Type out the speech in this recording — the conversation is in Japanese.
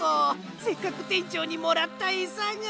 せっかくてんちょうにもらったエサが。